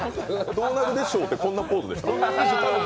「どうなるでＳＨＯＷ」ってこんなポーズでした？